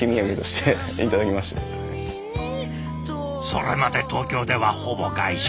それまで東京ではほぼ外食。